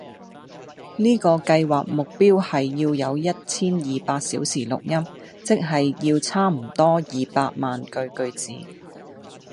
呢個計劃目標係要有一千二百小時錄音，即係要差唔多二百萬句句子